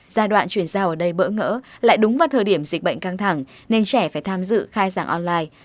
giai đoạn chuyển giao ở đây bỡ ngỡ lại đúng vào thời điểm dịch bệnh căng thẳng nên trẻ phải tham dự khai giảng online